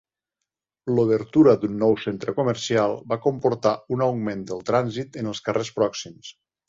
L'obertura d'un nou centre comercial va comportar un augment del trànsit en els carrers pròxims.